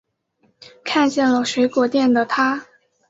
看见了水果店的她